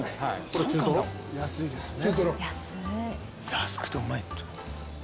「安くてうまいっていう」